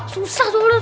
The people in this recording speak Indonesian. susah tuh lu